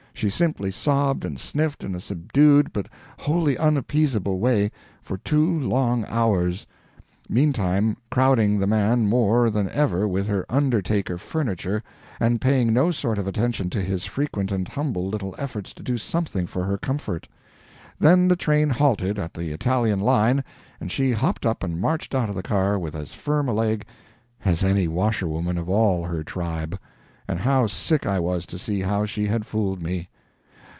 She simply sobbed and sniffed in a subdued but wholly unappeasable way for two long hours, meantime crowding the man more than ever with her undertaker furniture and paying no sort of attention to his frequent and humble little efforts to do something for her comfort. Then the train halted at the Italian line and she hopped up and marched out of the car with as firm a leg as any washerwoman of all her tribe! And how sick I was, to see how she had fooled me.